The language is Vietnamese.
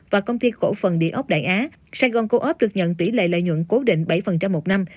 và công ty cổ phần địa ốc đại á sài gòn co op được nhận tỷ lệ lợi nhuận cố định bảy một năm